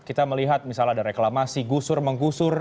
kita melihat misalnya ada reklamasi gusur menggusur